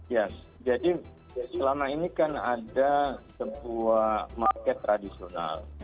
ya jadi selama ini kan ada sebuah market tradisional